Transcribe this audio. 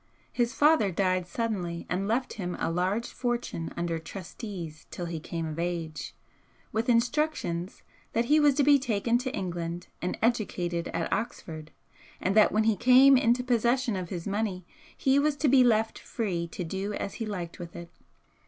His father died suddenly and left him a large fortune under trustees till he came of age, with instructions that he was to be taken to England and educated at Oxford, and that when he came into possession of his money, he was to be left free to do as he liked with it.